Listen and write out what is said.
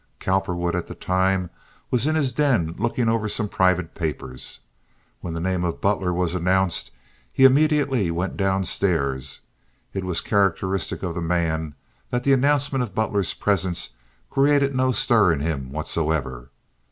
Cowperwood at the time was in his den looking over some private papers. When the name of Butler was announced he immediately went down stairs. It was characteristic of the man that the announcement of Butler's presence created no stir in him whatsoever.